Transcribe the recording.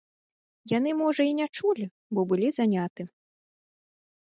Яны можа і не чулі, бо былі заняты.